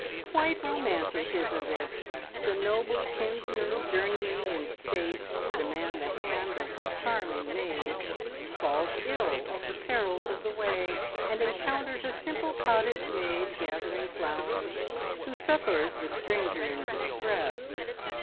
"Quite romantic, isn't it? The noble kinsman journeying in state to demand the hand of the charming maid, falls ill of the perils of the way, and encounters a simple cottage maid gathering flowers, who succours the stranger in distress.